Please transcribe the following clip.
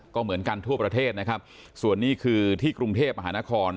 ก็เหมือนกันทั่วประเทศนะครับส่วนนี้คือที่กรุงเทพมหานคร